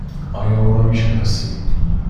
آیا او را می شناسی؟